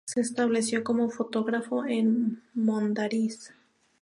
Se estableció como fotógrafo en Mondariz.